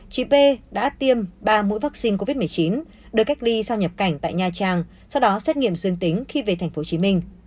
chị p đã tiêm ba mũi vaccine covid một mươi chín được cách ly sau nhập cảnh tại nha trang sau đó xét nghiệm dương tính khi về tp hcm